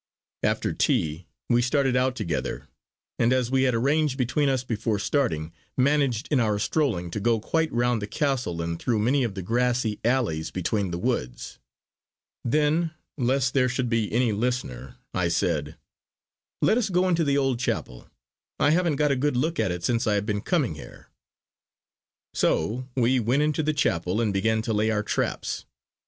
After tea we started out together; and as we had arranged between us before starting, managed in our strolling to go quite round the castle and through many of the grassy alleys between the woods. Then, lest there should be any listener, I said: "Let us go into the old chapel. I haven't had a good look at it since I have been coming here!" So we went into the chapel and began to lay our traps.